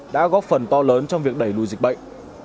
đã góp phần to lớn trong việc đẩy lùi dịch bệnh